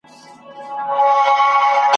مُغان زخمي دی مطرب ناښاده `